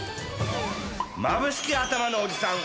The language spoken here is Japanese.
まぶしきあたまのおじさん